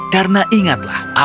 karena ingatlah apa yang terjadi